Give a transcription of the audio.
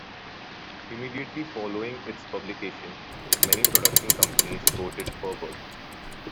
Immediately following its publication, many production companies courted Ferber.